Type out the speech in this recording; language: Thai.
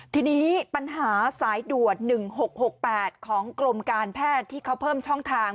ทีนี้ปัญหาสายด่วน๑๖๖๘ของกรมการแพทย์ที่เขาเพิ่มช่องทาง